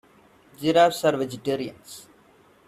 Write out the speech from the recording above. Giraffes are vegetarians.